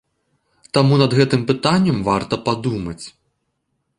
Таму над гэтым пытаннем варта падумаць.